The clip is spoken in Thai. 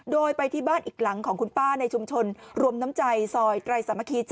โดยไปที่บ้านอีกหลังของคุณป้าในชุมชนรวมน้ำใจซอยไตรสามัคคี๗